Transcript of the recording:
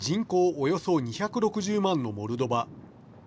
およそ２６０万のモルドバ。